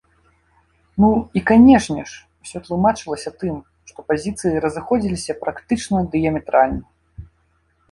Ну, і канешне ж, усё тлумачылася тым, што пазіцыі разыходзіліся практычна дыяметральна.